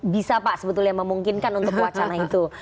bisa pak sebetulnya memungkinkan untuk wacana itu